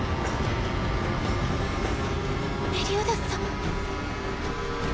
メリオダス様。